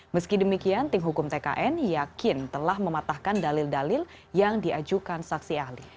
meski demikian tim hukum tkn yakin telah mematahkan dalil dalil yang diajukan saksi ahli